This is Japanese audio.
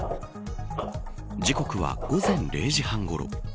時刻は午前０時半ごろ。